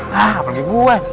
nah apa lagi buat